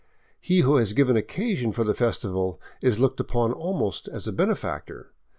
He who has given occasion for the festival is looked upon almost as a benefactor.